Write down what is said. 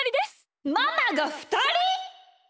ママがふたり！？